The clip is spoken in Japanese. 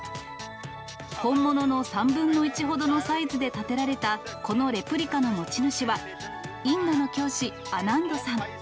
本物の３分の１ほどのサイズで建てられた、このレプリカの持ち主は、インドの教師、アナンドさん。